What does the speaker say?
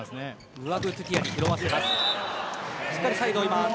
ムアグトゥティアに拾わせたい。